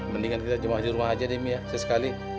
mendingan kita jemah di rumah aja demi ya saya sekali